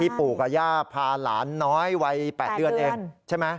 ปู่กับย่าพาหลานน้อยวัย๘เดือนเองใช่ไหม